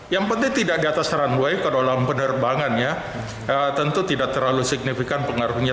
yang penting tidak di atas runway ke dalam penerbangan ya tentu tidak terlalu signifikan pengaruhnya